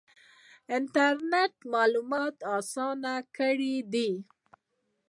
انټرنیټ معلومات اسانه کړي دي